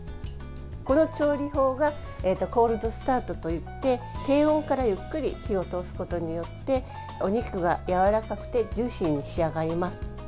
この調理法がコールドスタートといって低温からゆっくり火を通すことによってお肉がやわらかくてジューシーに仕上がります。